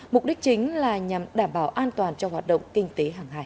mục đích chính là nhằm đảm bảo an toàn cho hoạt động kinh tế hàng hải